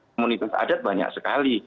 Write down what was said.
komunitas adat banyak sekali